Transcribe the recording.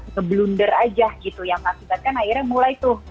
ngeblunder aja gitu yang mengakibatkan akhirnya mulai tuh